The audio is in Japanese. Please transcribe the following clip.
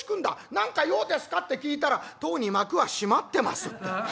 『何か用ですか？』って聞いたら『とうに幕は閉まってます』って。